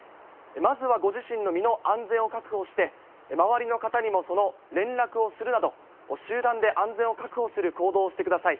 まずはご自身の身の安全を確保して、周りの方にもその連絡をするなど、集団で安全を確保する行動をしてください。